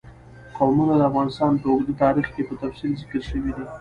قومونه د افغانستان په اوږده تاریخ کې په تفصیل ذکر شوی دی.